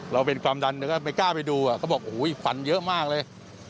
เราเป็นความดังไปกล้าไปดูเขาบอกพันธุ์เยอะมากเลย